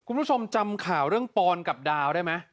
คุณผู้ชมจำข่าวเรื่องปอนกับดาวได้ไหม